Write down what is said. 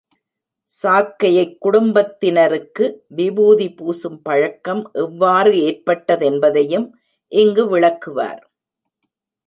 சாக்கையக் குடும்பத்தினருக்கு விபூதி பூசும் பழக்கம் எவ்வாறு ஏற்பட்டதென்பதையும் இங்கு விளக்குவார்.